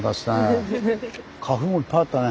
花粉もいっぱいあったね。